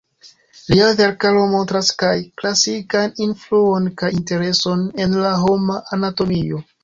Lia verkaro montras kaj klasikan influon kaj intereson en la homa anatomio.